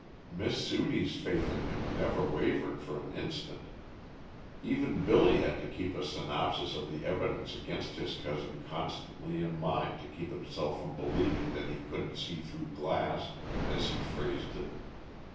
Miss Sudie's faith in him never wavered for an instant. Even Billy had to keep a synopsis of the evidence against his cousin constantly in mind to keep himself from "believing that he couldn't see through glass," as he phrased it.